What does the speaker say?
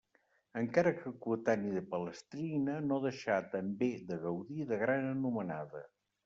Encara que coetani de Palestrina no deixà també de gaudir de gran anomenada.